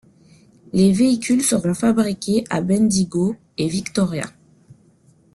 Les véhicules seront fabriqués à Bendigo et Victoria.